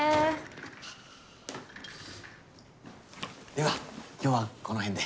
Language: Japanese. では今日はこのへんで。